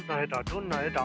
どんな絵だ？